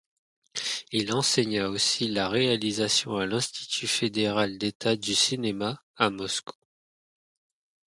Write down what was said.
Il enseigna aussi la réalisation à l'Institut fédéral d'État du cinéma à Moscou.